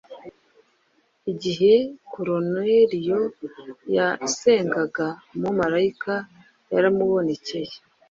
Igihe Koruneliyo yasengaga, umumarayika yaramubonekeye.